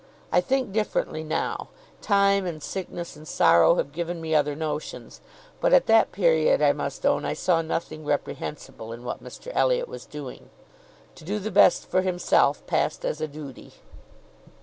I think differently now; time and sickness and sorrow have given me other notions; but at that period I must own I saw nothing reprehensible in what Mr Elliot was doing. 'To do the best for himself,' passed as a duty."